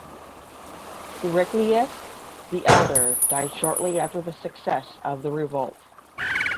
Heraclius the Elder died shortly after the success of the revolt.